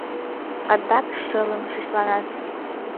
Адак шылым шишланат.